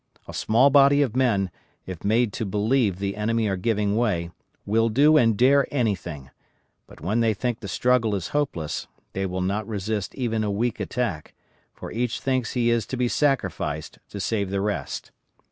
A small body of men, if made to believe the enemy are giving way, will do and dare anything; but when they think the struggle is hopeless, they will not resist even a weak attack, for each thinks he is to be sacrificed to save the rest.